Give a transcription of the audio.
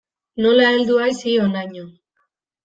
Nola heldu haiz hi honaino?